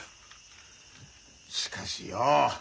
しかしよ